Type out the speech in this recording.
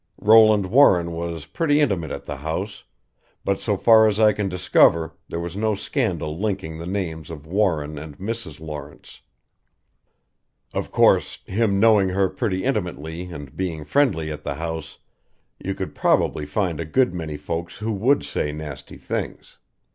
Roland Warren was pretty intimate at the house, but so far as I can discover there was no scandal linking the names of Warren and Mrs. Lawrence. Of course, him knowing her pretty intimately and being friendly at the house, you could probably find a good many folks who would say nasty things.